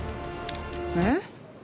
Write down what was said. えっ？